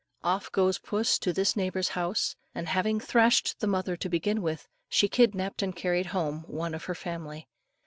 Off goes puss to this neighbour's house, and having thrashed the mother to begin with, she kidnapped and carried home one of her family.